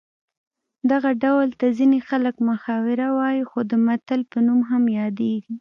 دغه ډول ته ځینې خلک محاوره وايي خو د متل په نوم هم یادیږي